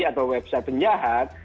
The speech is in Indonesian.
atau website penjahat